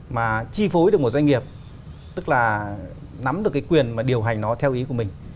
mà chi phối được một doanh nghiệp tức là nắm được cái quyền mà điều hành nó theo ý của mình